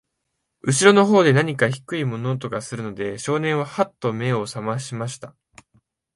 後ろの方で、なにか低い物音がするので、少年は、はっと目を覚ましました。